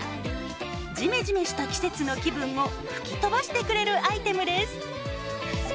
ジメジメした季節の気分を吹き飛ばしてくれるアイテムです。